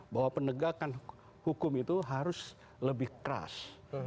bahwa penegakan hukum itu harus lebih keras